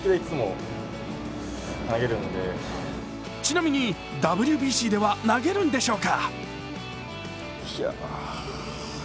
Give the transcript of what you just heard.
ちなみにＷＢＣでは投げるんでしょうか？